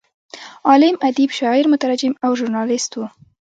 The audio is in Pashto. عالم، ادیب، شاعر، مترجم او ژورنالست و.